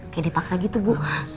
kayak dipaksa gitu bu